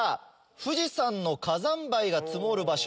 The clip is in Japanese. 「富士山の火山灰が積もる場所」